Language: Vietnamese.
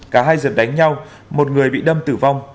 cả hai giật đánh nhau một người bị đâm tử vong